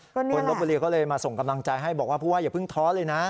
คนลบบุรีก็เลยมาส่งกำลังใจให้บอกว่าผู้ว่าอย่าเพิ่งท้อเลยนะ